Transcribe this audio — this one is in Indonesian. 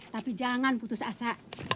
tapi jangan putus asa